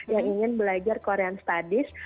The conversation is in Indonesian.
yang ingin belajar korean studies